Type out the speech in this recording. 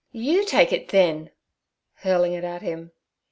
'You take it, then!'—hurling it at him.